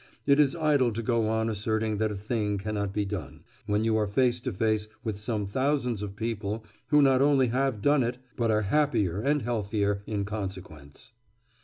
It is idle to go on asserting that a thing cannot be done, when you are face to face with some thousands of people who not only have done it, but are happier and healthier in consequence.